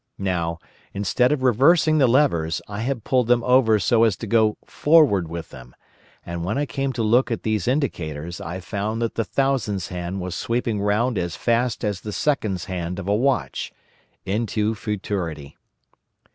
Now, instead of reversing the levers, I had pulled them over so as to go forward with them, and when I came to look at these indicators I found that the thousands hand was sweeping round as fast as the seconds hand of a watch—into futurity.